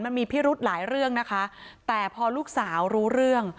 มันมีพิรุธหลายเรื่องนะคะแต่พอลูกสาวรู้เรื่อง